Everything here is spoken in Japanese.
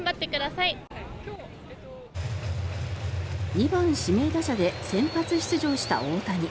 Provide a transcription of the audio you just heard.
２番指名打者で先発出場した大谷。